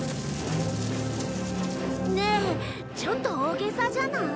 ねえちょっと大げさじゃない？